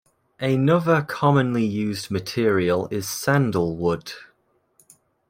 Another commonly used material is sandalwood.